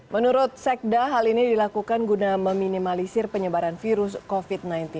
menurut sekda hal ini dilakukan guna meminimalisir penyebaran virus covid sembilan belas